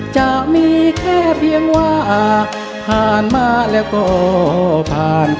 จะมีแค่เพียงว่าผ่านมาแล้วก็ผ่าน